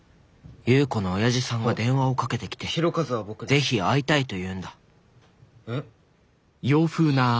夕子のおやじさんが電話をかけてきてぜひ会いたいというんだえっ？